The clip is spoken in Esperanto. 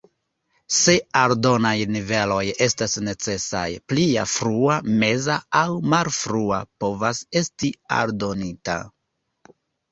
Se aldonaj niveloj estas necesaj, plia "Frua", "Meza" aŭ "Malfrua" povas esti aldonita.